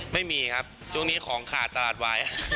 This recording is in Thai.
ไม่มีครับช่วงนี้ของขาดตลาดไว้